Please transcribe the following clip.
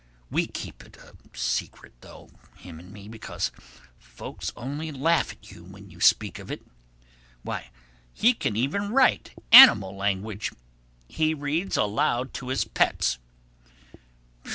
We keep it a secret though, him and me, because folks only laugh at you when you speak of it. Why, he can even write animal language. He reads aloud to his pets.